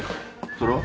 それは？